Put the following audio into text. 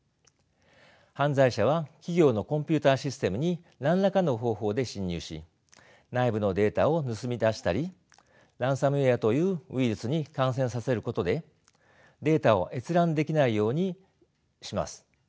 犯罪者は企業のコンピューターシステムに何らかの方法で侵入し内部のデータを盗み出したりランサムウェアというウイルスに感染させることでデータを閲覧できないようにします。